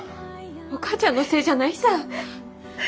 お母ちゃんのせいじゃないさ。